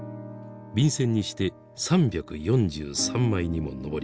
便箋にして３４３枚にも上りました。